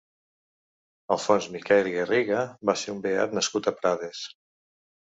Alfons Miquel i Garriga va ser un beat nascut a Prades.